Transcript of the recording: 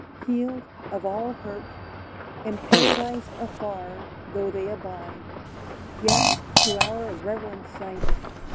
Healed of all hurt, emparadised afar Though they abide, yet to our reverent sight.